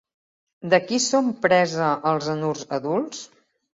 De qui són presa els anurs adults?